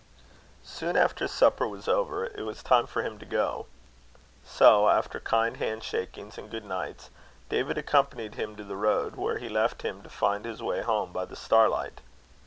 Soon after supper was over, it was time for him to go; so, after kind hand shakings and good nights, David accompanied him to the road, where he left him to find his way home by the star light.